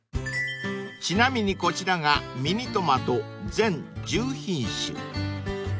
［ちなみにこちらがミニトマト全１０品種］